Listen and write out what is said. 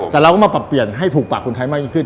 แต่เราก็มาปรับเปลี่ยนให้ถูกปากคนไทยมากยิ่งขึ้น